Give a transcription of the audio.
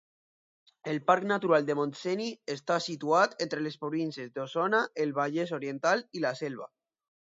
El Parc Natural del Montseny està situat entre les províncies d'Osona, el Vallès Oriental i la Selva.